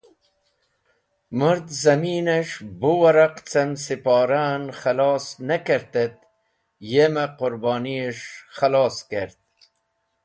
Mũrd zẽmanish bu waraq cem Siporah en khalos ne kert et yeme Qũr’oni khalos kert.